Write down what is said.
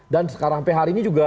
sekarang sampai hari ini juga